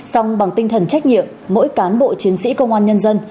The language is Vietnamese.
xong bằng tinh thần trách nhiệm mỗi cán bộ chiến sĩ công an nhân dân